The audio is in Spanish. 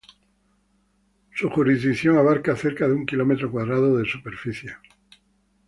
Su jurisdicción abarca cerca de un kilómetro cuadrado de superficie.